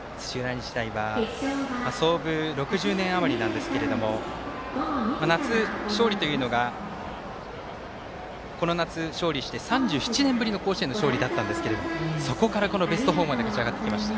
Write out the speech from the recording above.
日大は創部６０年余りなんですけども夏の勝利というのがこの夏勝利して３７年ぶりの甲子園の勝利だったんですけどそこからベスト４まで勝ち上がってきました。